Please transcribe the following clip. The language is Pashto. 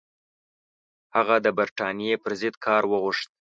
هغه د برټانیې پر ضد کار وغوښت.